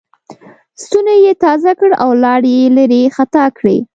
ستونی یې تازه کړ او لاړې یې لېرې خطا کړې.